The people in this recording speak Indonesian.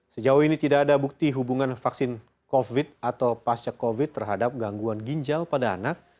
sejauh ini tidak ada bukti hubungan vaksin covid atau pasca covid terhadap gangguan ginjal pada anak